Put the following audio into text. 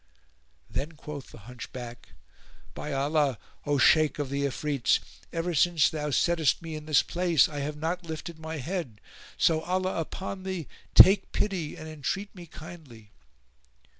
Then quoth the Hunchback, "By Allah, O Shaykh of the Ifrits, ever since thou settest me in this place, I have not lifted my head; so Allah upon thee, take pity and entreat me kindly!"